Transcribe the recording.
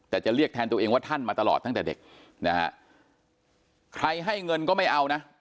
แต่จะเรียกแทนตัวเองว่าท่านมาตลอดตั้งแต่เด็กนะฮะใครให้เงินก็ไม่เอานะ